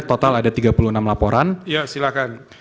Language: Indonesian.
total ada tiga puluh enam laporan